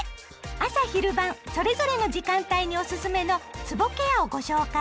朝・昼・晩それぞれの時間帯におすすめのつぼケアをご紹介。